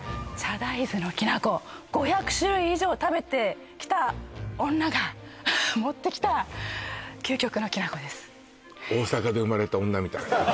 大豆のきな粉５００種類以上食べてきた女が持ってきた究極のきな粉です